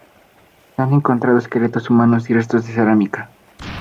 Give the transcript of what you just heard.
Se han encontrado esqueletos humanos y restos de cerámica.